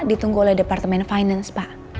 ditunggu oleh departemen finance pak